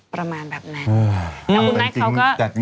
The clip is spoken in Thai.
ประมาณแบบนั้น